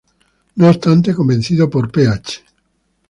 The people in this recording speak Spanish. No obstante, convencido por Ph.